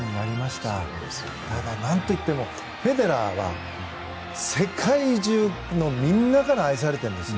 ただ、何といってもフェデラーは世界中のみんなから愛されてるんです。